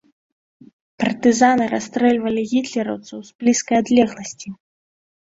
Партызаны расстрэльвалі гітлераўцаў з блізкай адлегласці.